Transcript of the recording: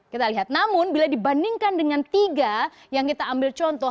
kita lihat namun bila dibandingkan dengan tiga yang kita ambil contoh